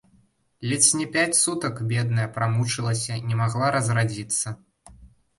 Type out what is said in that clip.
Ледзь не пяць сутак, бедная, прамучылася, не магла разрадзіцца.